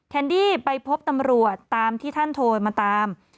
แนนดี้ไปพบตำรวจตามที่ท่านโทรมาตาม